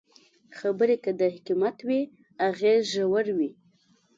خبرې که د حکمت وي، اغېز ژور وي